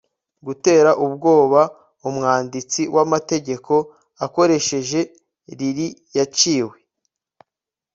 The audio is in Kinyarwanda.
gutera ubwoba umwanditsi wamategeko akoresheje lili yaciwe